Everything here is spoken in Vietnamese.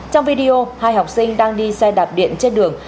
trong video hai học sinh đang đi xe đạp điện trên đường